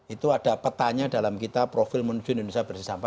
itu ada petanya dalam kita profil menuju indonesia bersih sampah